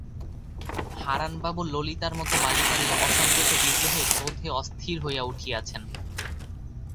হারানবাবু ললিতার মতো বালিকার এই অসংগত বিদ্রোহে ক্রোধে অস্থির হইয়া উঠিয়াছেন।